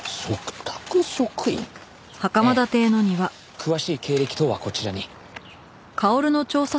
詳しい経歴等はこちらに。